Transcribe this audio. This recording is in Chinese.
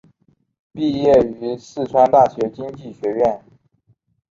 毕业于四川大学经济学院。